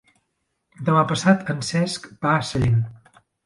Demà passat en Cesc va a Sellent.